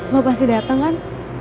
lo pasti dateng kan